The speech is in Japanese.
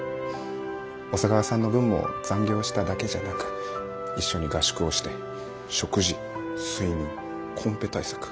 小佐川さんの分も残業しただけじゃなく一緒に合宿をして食事睡眠コンペ対策